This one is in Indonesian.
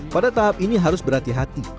pada tahap ini harus berhati hati